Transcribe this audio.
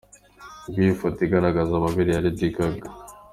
Ngiyo ifoto igaragaza amabere ya Lady Gaga!!.